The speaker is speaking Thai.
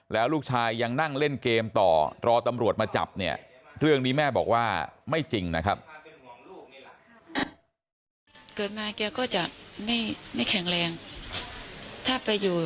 แล้วลูกชายยังนั่งเล่นเกมต่อรอตำรวจมาจับเนี่ยเรื่องนี้แม่บอกว่าไม่จริงนะครับ